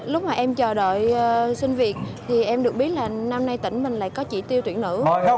lúc mà em chờ đợi sinh việc thì em được biết là năm nay tỉnh mình lại có chỉ tiêu tuyển nữ